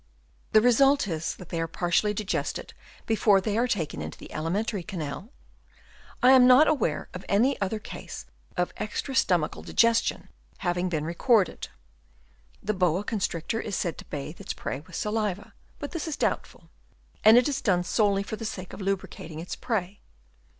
The result is that they are partially digested before they are taken into the alimentary canal. I am not aware of any other case of extra stomachal digestion having been re corded. The boa constrictor is said to bathe its prey with saliva, but this is doubtful ; and it is done solely for the sake of lubricating its prey.